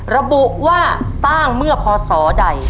ระบุว่าสร้างเมื่อพศใด